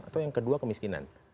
atau yang kedua kemiskinan